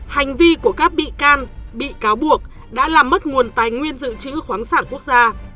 hành vi của các bị can bị cáo buộc đã làm mất nguồn tài nguyên dự trữ khoáng sản quốc gia